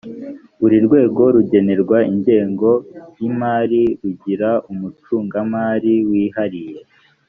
buri rwego rugenerwa ingengo y’imari rugira umucungamari wihariye